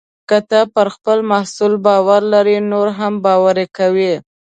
که ته پر خپل محصول باور لرې، نور هم باور کوي.